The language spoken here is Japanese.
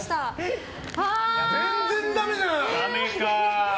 全然ダメじゃん！